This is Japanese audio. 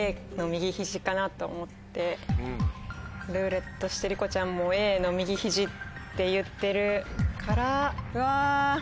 かなと思って「ルーレット」してりこちゃんもＡの右ひじって言ってるからうわぁ。